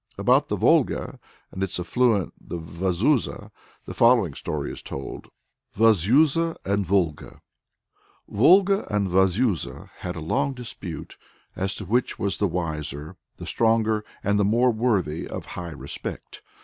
About the Volga and its affluent, the Vazuza, the following story is told: VAZUZA AND VOLGA. Volga and Vazuza had a long dispute as to which was the wiser, the stronger, and the more worthy of high respect.